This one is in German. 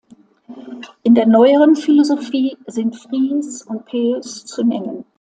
In der neueren Philosophie sind Fries und Peirce zu nennen.